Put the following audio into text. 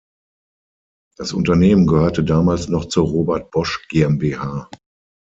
Das Unternehmen gehörte damals noch zur Robert Bosch GmbH.